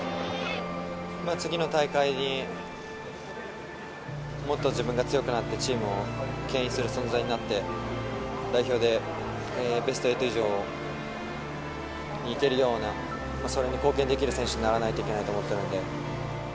次の大会に、もっと自分が強くなってチームをけん引する存在になって、代表でベスト８以上を行けるような、それに貢献できる選手にならないといけないと思ってるんで。